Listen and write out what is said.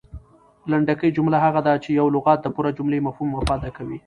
لنډکۍ جمله هغه ده، چي یو لغت د پوره جملې مفهوم افاده کوي.